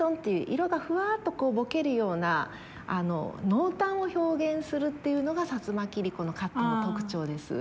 色がふわっとぼけるような濃淡を表現するっていうのが摩切子のカットの特徴です。